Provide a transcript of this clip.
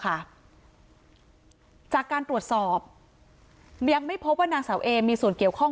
จากการตรวจสอบยังไม่พบว่านางสาวเอมีส่วนเกี่ยวข้อง